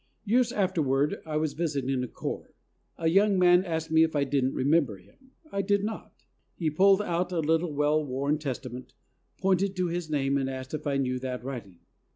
Years afterward I was visiting a corps. A young man asked me if I didn't remember him. I did not. He pulled out a little, well worn Testament, pointed to his name and asked if I knew that writing.